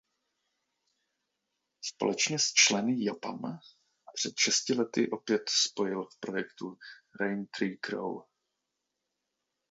Společně s členy Japan před šesti lety opět spojil v projektu "Rain Tree Crow".